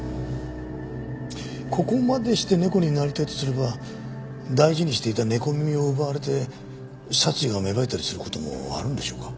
ここまでして猫になりたいとすれば大事にしていた猫耳を奪われて殺意が芽生えたりする事もあるのでしょうか？